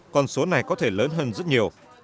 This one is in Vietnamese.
con số này có thể lớn hơn rất nhiều